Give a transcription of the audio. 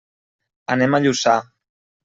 Anem a Lluçà.